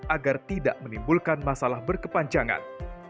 agar tidak menimbulkan masalah berkepanjangan